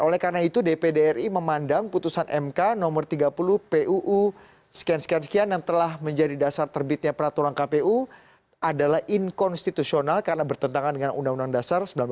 oleh karena itu dpd ri memandang putusan mk nomor tiga puluh puu sekian sekian sekian yang telah menjadi dasar terbitnya peraturan kpu adalah inkonstitusional karena bertentangan dengan undang undang dasar seribu sembilan ratus empat puluh